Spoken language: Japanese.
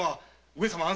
上様！？